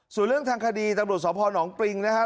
ส่วนเรื่องทางคดีจังหลวงสอบพ่อหนองปริงนะฮะ